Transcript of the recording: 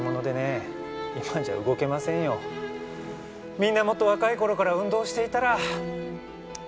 みんなもっと若い頃から運動していたら。